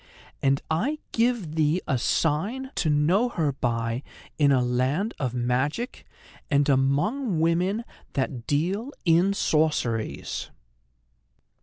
"And I give thee a sign to know her by in a land of magic, and among women that deal in sorceries.